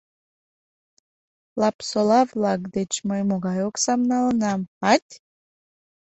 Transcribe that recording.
Лапсола-влак деч мый могай оксам налынам, ать?!